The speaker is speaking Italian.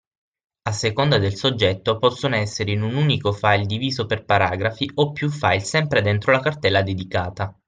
A seconda del soggetto possono essere in un unico file diviso per paragrafi o piu file sempre dentro la cartella dedicata.